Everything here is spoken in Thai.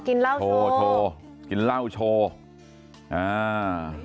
กินเหล้าโชว์โชว์กินเหล้าโชว์อ่า